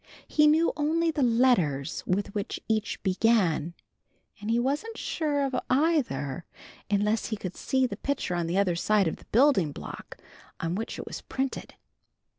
He knew only the letters with which each began, and he wasn't sure of either unless he could see the picture on the other side of the building block on which it was printed.